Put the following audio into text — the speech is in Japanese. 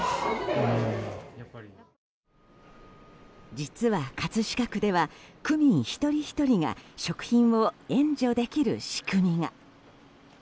実は、葛飾区では区民一人ひとりが食品を援助できる仕組みが。